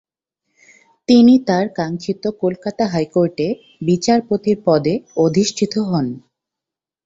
তিনি তার কাঙক্ষত কলকাতা হাই কোর্টে বিচারপতির পদে অধিষ্ঠিত হন।